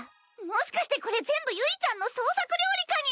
もしかしてこれ全部唯ちゃんの創作料理かにゃ？